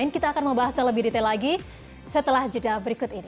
kita akan membahasnya lebih detail lagi setelah jeda berikut ini